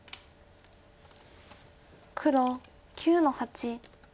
黒９の八。